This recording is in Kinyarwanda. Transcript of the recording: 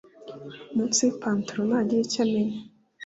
munsi yipantaro ntagira icyo amenya